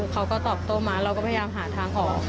เขาก็ตอบโต้มาเราก็พยายามหาทางออก